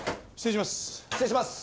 失礼します。